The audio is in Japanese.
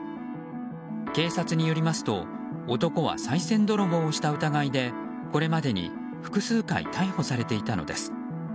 警察によりますと男は、さい銭泥棒をした疑いでこれまでに複数回逮捕されていたのです。